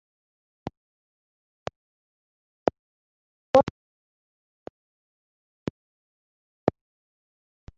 Ntabwo ntekereza ko imvura izagwa, ariko nzafata umutaka mugihe bibaye.